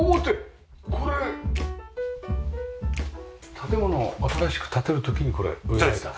建物を新しく建てる時にこれ植えられた？